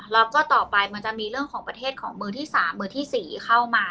แล้วก็ต่อไปมันจะมีเรื่องของประเทศของมือที่๓มือที่๔เข้ามา